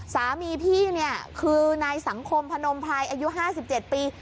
สามีพี่ในสังคมพนมพัยอายุ๕๗ปี